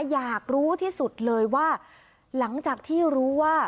อยากรู้ที่สุดเลยว่าหลังจากที่รู้ว่า